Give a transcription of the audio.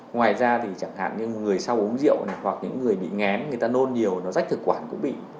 ngoài ra thì chẳng hạn như người sau uống rượu hoặc những người bị ngén người ta nôn nhiều nó rách thực quản cũng bị